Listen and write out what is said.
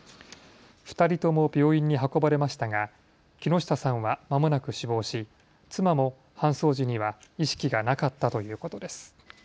２人とも病院に運ばれましたが木下さんはまもなく死亡し、妻も搬送時には意識がなかったということです。